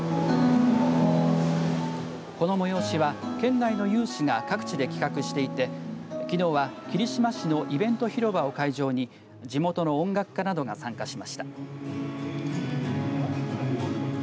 この催しは県内の有志が各地で企画していて、きのうは霧島市のイベント広場を会場に地元の音楽家などが参加しました。